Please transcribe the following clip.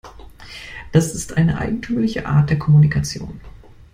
Das ist eine eigentümliche Art der Kommunikation.